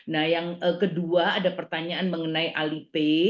nah yang kedua ada pertanyaan mengenai alipe